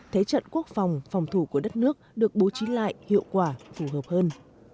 thế trận quốc phòng phòng thủ của đất nước được bố trí lại hiệu quả phù hợp hơn